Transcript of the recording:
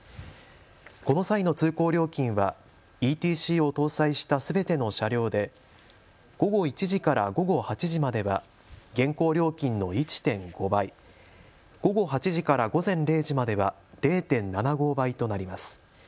この際の通行料金はＥＴＣを搭載したすべての車両で午後１時から午後８時までは現行料金の１．５倍、午後８時から午前０時までは０．７５倍となります。